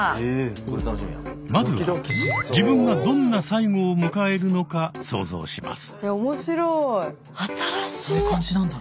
まずは自分がどんな最期を迎えるのか想像します。